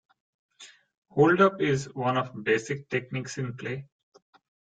Hold up is one of basic techniques in play.